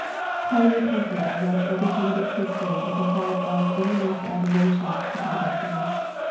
"Tell your country I watch every turn of its history with a heart of innermost admiration," he called after me.